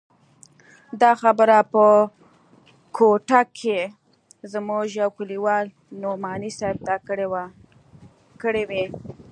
دا خبرې په کوټه کښې زموږ يوه کليوال نعماني صاحب ته کړې وې.